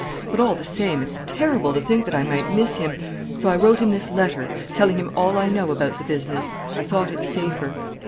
But, all the same, it's terrible to think that I might miss him. So I wrote him this letter, telling him all I know about the business. I thought it safer."